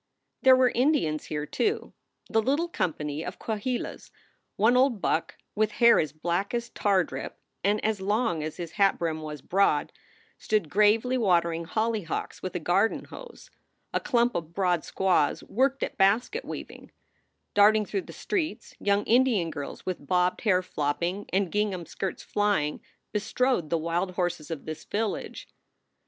There were Indians here, too the little company of Cahuillas; one old buck, with hair as black as tar drip and as long as his hat brim was broad, stood gravely watering hollyhocks with a garden hose; a clump of broad squaws worked at basket weaving; darting through the streets young Indian girls with bobbed hair flopping and gingham skirts flying, bestrode the wide horses of this village.